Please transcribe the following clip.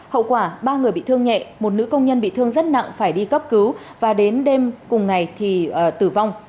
hậu quả ba người bị thương nhẹ một nữ công nhân bị thương rất nặng phải đi cấp cứu và đến đêm cùng ngày thì tử vong